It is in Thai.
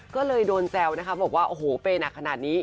ก็เลยโดนแซวนะคะบอกว่าโอ้โหเปย์หนักขนาดนี้